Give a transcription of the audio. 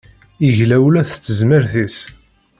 Yegla ula s tezmert-is